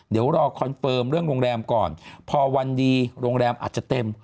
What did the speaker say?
เดี๋ยวรอคอนเฟิร์มเรื่องโรงแรมก่อนพอวันดีโรงแรมอาจจะเต็ม